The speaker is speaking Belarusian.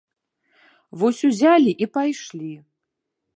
Вось узялі і пайшлі.